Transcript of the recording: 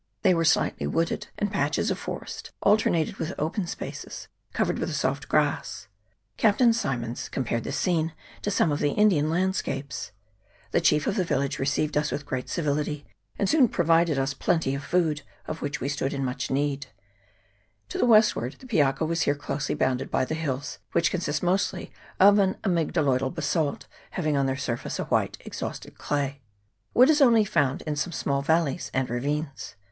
They were slightly wooded, and patches of forest alternated with open spaces covered with a soft grass. Captain Symonds compared the scene to some of the Indian landscapes. The chief of the village received us with great civility, and soon pro vided us plenty of food, of which we stood much in need. To the westward the Piako was here closely bounded by the hills, which consist mostly of an amygdaloidal basalt, having on their surface a white exhausted clay. Wood is only found in some small valleys and ravines.